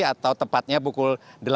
atau tepatnya pukul delapan